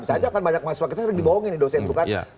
bisa aja kan banyak masyarakat sering dibohongin dosen itu kan